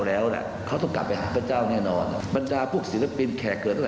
และสุดท้ายก็จะออกมาเป็นเมืองอัตภิกษ์ที่ละเอียดออก